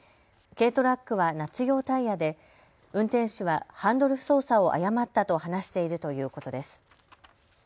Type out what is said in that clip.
軽トラックは夏用タイヤで運転手はハンドル操作を誤ったと話しているということです。